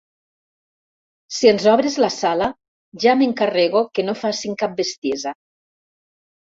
Si ens obres la Sala, ja m'encarrego que no facin cap bestiesa.